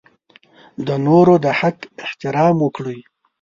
د نورو د حق احترام وکړئ.